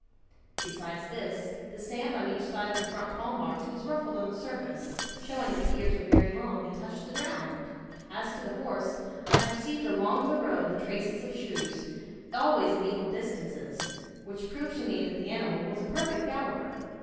Besides this, the sand on each side of the front paw marks was ruffled on the surface, showing that the ears were very long and touched the ground. [Illustration: The King & Queen rejoice when their pets return.] 'As to the horse, I had perceived along the road the traces of shoes, always at equal distances, which proved to me that the animal was a perfect galloper.